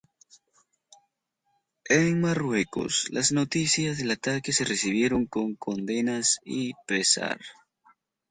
En Marruecos las noticias del ataque se recibieron con condenas y pesar.